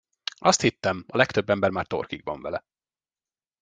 Azt hittem, a legtöbb ember már torkig van vele.